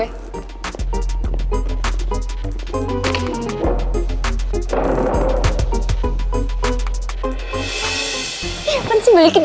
eh apaan sih belikin